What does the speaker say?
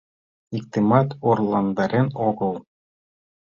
Иктымат орландарен огыл.